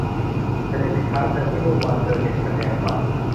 ฉันยังติดค้างเธอที่เมื่อวานเธอเห็นฉันแอบหลับ